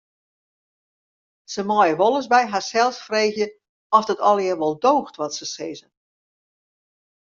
Se meie wolris by harsels freegje oft it allegearre wol doocht wat se sizze.